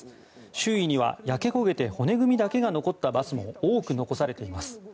周囲には焼け焦げて骨組みだけが残ったバスも多く残されています。